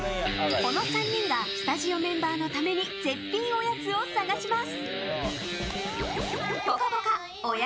この３人がスタジオメンバーのために絶品おやつを探します。